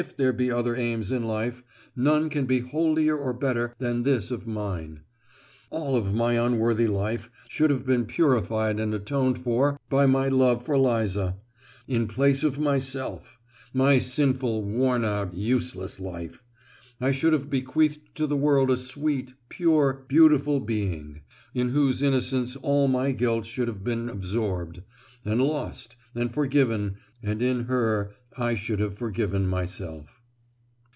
"If there be other aims in life, none can be holier or better than this of mine. All my old unworthy life should have been purified and atoned for by my love for Liza; in place of myself—my sinful, worn out, useless life—I should have bequeathed to the world a sweet, pure, beautiful being, in whose innocence all my guilt should have been absorbed, and lost, and forgiven, and in her I should have forgiven myself."